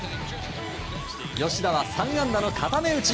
吉田は３安打の固め打ち。